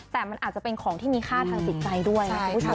แต่มันอาจจะเป็นของที่มีค่าทางจิตใจด้วยนะคุณผู้ชม